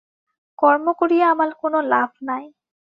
কর্ম করিয়া আমার কোন লাভ নাই।